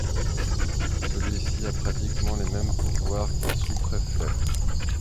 Celui-ci a pratiquement les mêmes pouvoirs qu'un sous-préfet.